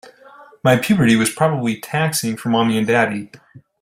My puberty was probably taxing for mommy and daddy.